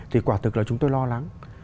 thì quả thực là chúng tôi lo lắng